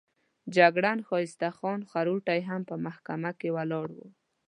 جګړن ښایسته خان خروټی هم په محکمه کې ولاړ وو.